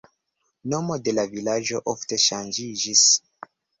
Nomo de la vilaĝo ofte ŝanĝiĝis.